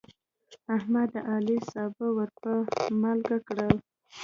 احمد د علي سابه ور په مالګه کړل.